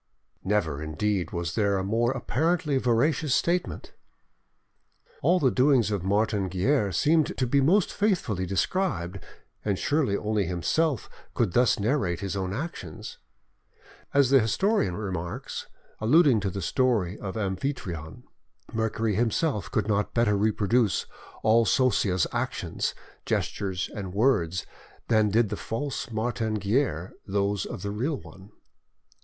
Never, indeed, was there a more apparently veracious statement! All the doings of Martin Guerre seemed to be most faithfully described, and surely only himself could thus narrate his own actions. As the historian remarks, alluding to the story of Amphitryon, Mercury himself could not better reproduce all Sosia's actions, gestures, and words, than did the false Martin Guerre those of the real one.